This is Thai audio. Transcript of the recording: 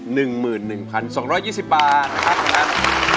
หนึ่งหมื่นหนึ่งพันสองร้อยยี่สิบบาทนะครับ